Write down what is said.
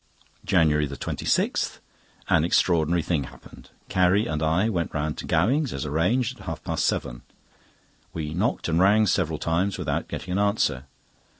JANUARY 26.—An extraordinary thing happened. Carrie and I went round to Gowing's, as arranged, at half past seven. We knocked and rang several times without getting an answer.